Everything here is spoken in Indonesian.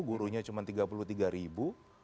gurunya cuma tiga puluh tiga ribu